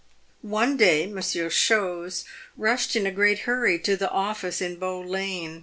One day Monsieur Chose rushed in a great hurry to the office in Bow lane.